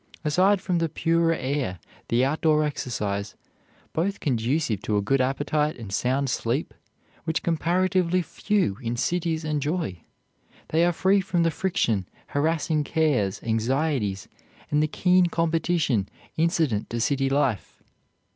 Aside from the purer air, the outdoor exercise, both conducive to a good appetite and sound sleep, which comparatively few in cities enjoy, they are free from the friction, harassing cares, anxieties, and the keen competition incident to city life.